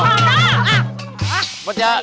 sumpah ya biar temu